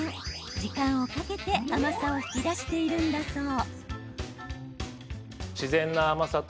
時間をかけて甘さを引き出しているんだそう。